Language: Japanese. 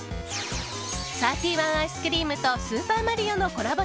サーティワンアイスクリームと「スーパーマリオ」のコラボ